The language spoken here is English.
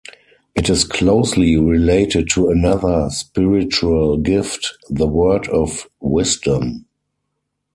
It is closely related to another spiritual gift, the word of wisdom.